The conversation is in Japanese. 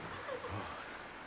ああ。